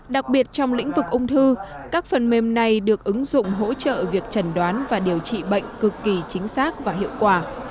đặc biệt trong lĩnh vực ung thư các phần mềm này được ứng dụng hỗ trợ việc trần đoán và điều trị bệnh cực kỳ chính xác và hiệu quả